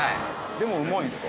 でもうまいんですか？